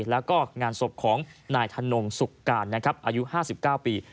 แล้วก็งานศพของนายธนงสุกการนะครับอายุ๕๙ปี